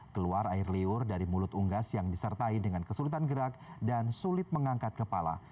keluar air liur dari mulut unggas yang disertai dengan kesulitan gerak dan sulit mengangkat kepala